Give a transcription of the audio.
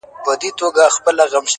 والله ه چي په تا پسي مي سترگي وځي ـ